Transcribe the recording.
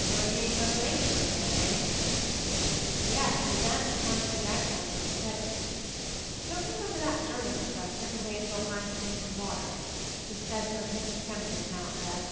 "Hurrying Mother Nature again, eh?" "Yes, the advance in scientific agriculture is steady. Don't you remember that Ger man professor who raised all kinds of things in water? Just fed them a pinch of chemi cals now and then?